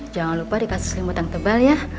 jangan lupa dikasih selimut yang tebal ya